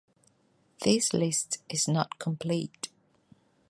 This list is not complete.